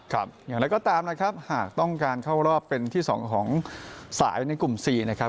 อย่างไรก็ตามนะครับหากต้องการเข้ารอบเป็นที่สองของสายในกลุ่ม๔นะครับ